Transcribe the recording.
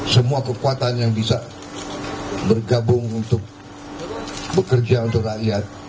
semua kekuatan yang bisa bergabung untuk bekerja untuk rakyat